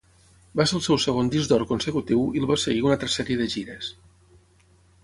Va ser el seu segon disc d'or consecutiu i el va seguir una altra sèrie de gires.